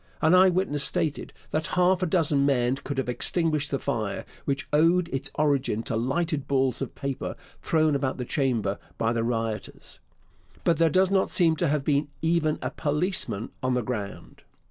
An eyewitness stated that half a dozen men could have extinguished the fire, which owed its origin to lighted balls of paper thrown about the chamber by the rioters; but there does not seem to have been even a policeman on the ground.